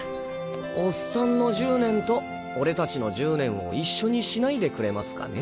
オッサンの１０年と俺達の１０年を一緒にしないでくれますかね。